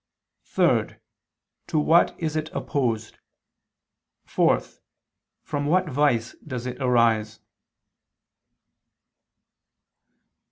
(3) To what is it opposed? (4) From what vice does it arise?